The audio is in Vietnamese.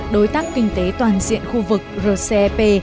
đối tác kinh tế toàn diện khu vực rcep